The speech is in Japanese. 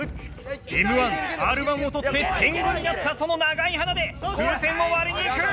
Ｍ−１Ｒ−１を取って天狗になったその長い鼻で風船を割りにいく！